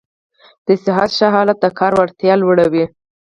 د صحت ښه حالت د کار وړتیا لوړوي.